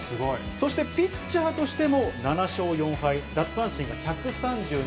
そしてピッチャーとしても７勝４敗、奪三振１３２。